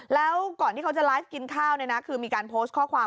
แล้วก่อนที่เขาจะไลฟ์กินข้าวเนี่ยนะคือมีการโพสต์ข้อความ